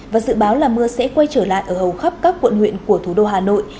và dự báo là mưa sẽ quay trở lại ở hầu khắp các quận huyện của thủ đô hà nội